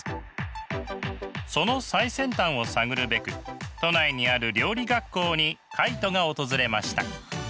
その最先端を探るべく都内にある料理学校にカイトが訪れました。